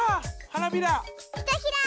花びら！